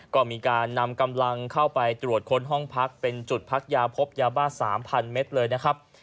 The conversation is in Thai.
ก็มีการนำกำลังเข้าไปตรวจค้นห้องพักเป็นจุดพักยาพบยาบ้า๓๐๐เมตรเลยนะครับ